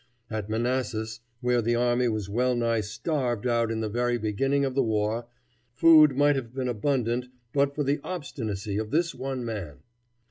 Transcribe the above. At Manassas, where the army was well nigh starved out in the very beginning of the war, food might have been abundant but for the obstinacy of this one man.